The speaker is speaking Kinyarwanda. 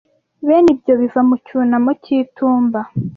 bene ibyo biva mu cyunamo cy'itumba